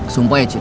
sumpah ya cip